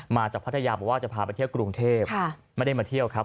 มาจากพัทยาบอกว่าจะพาไปเที่ยวกรุงเทพไม่ได้มาเที่ยวครับ